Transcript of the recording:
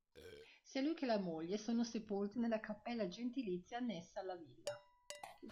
Sia lui che la moglie sono sepolti nella cappella gentilizia annessa alla villa.